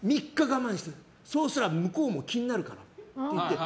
そうすれば向こうも気になるからって言って。